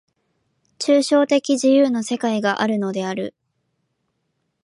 抽象的自由の世界があるのである。